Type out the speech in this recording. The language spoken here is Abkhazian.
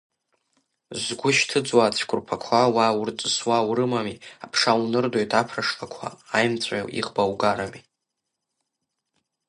Згәы шьҭыҵуа ацәқәрԥақәа, уа урҵысуа урымами, аԥша унырдоит аԥра шлақәа аимҵәаҩ иӷба угарами.